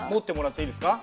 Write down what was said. いいですか？